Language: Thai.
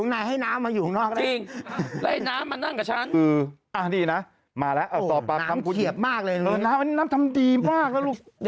ไม่ให้น้ำอยู่ข้างในให้น้ำมาอยู่ข้างนอก